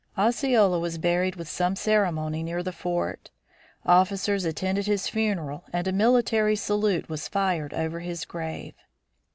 Osceola was buried with some ceremony near the fort. Officers attended his funeral and a military salute was fired over his grave.